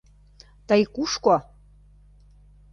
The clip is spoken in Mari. Тый кушко?